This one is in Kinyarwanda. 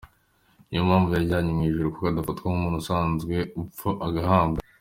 Ni yo mpamvu yajyanywe mu ijuru kuko adafatwa nk’umuntu usanzwe upfa agahambwa.